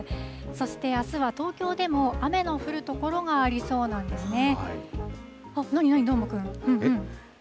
そしてあすは、東京でも雨の降る所がありそうなんですね。